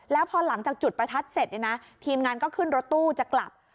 แล้วพอหลังจากจุดประทัดเสร็จเนี่ยนะทีมงานก็ขึ้นรถตู้จะกลับ